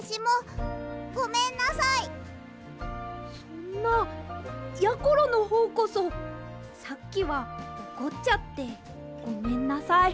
そんなやころのほうこそさっきはおこっちゃってごめんなさい。